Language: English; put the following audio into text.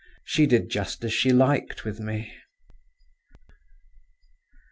She did just as she liked with me.